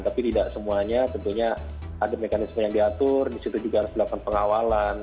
tapi tidak semuanya tentunya ada mekanisme yang diatur disitu juga harus dilakukan pengawalan